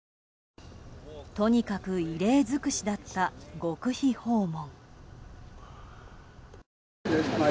とにかく異例づくしだった極秘訪問。